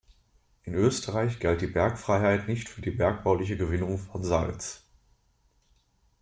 In Österreich galt die Bergfreiheit nicht für die bergbauliche Gewinnung von Salz.